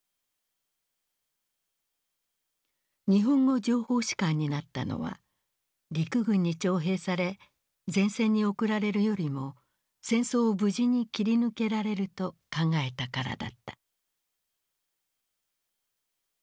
日本語情報士官になったのは陸軍に徴兵され前線に送られるよりも戦争を無事に切り抜けられると考えたからだった。